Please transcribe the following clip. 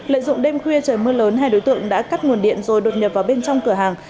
lợi dụng đêm khuya trời mưa lớn hai đối tượng đã cắt nguồn điện rồi đột nhập vào bên trong cửa hàng